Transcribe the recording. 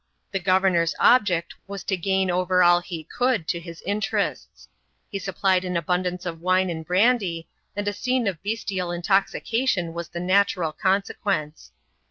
The governor's object was to gain over all he could to his interests ; he supplied an abundance of wine and brandy, and a scene of bestial intoxication was the natural consequence.